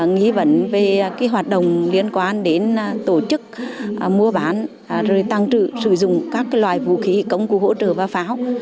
nghĩ vấn về hoạt động liên quan đến tổ chức mua bán tăng trự sử dụng các loại vũ khí công cụ hỗ trợ và pháo